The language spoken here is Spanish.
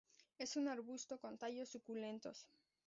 Es un arbusto con tallos suculentos.